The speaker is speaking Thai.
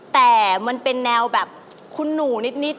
แต่มันเป็นแนวแบบคุณหนูนิด